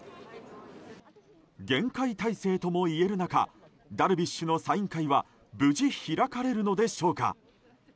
厳戒態勢ともいえる中ダルビッシュのサイン会は無事、開かれるのでしょうか。